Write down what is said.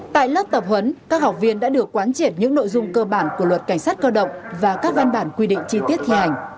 tại lớp tập huấn các học viên đã được quán triệt những nội dung cơ bản của luật cảnh sát cơ động và các văn bản quy định chi tiết thi hành